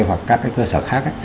hoặc các cái cơ sở khác